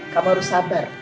kamu harus sabar